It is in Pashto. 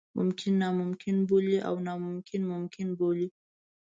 ممکن ناممکن بولي او ناممکن ممکن بولي.